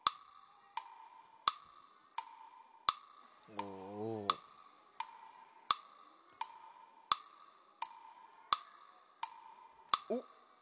おお。おっ。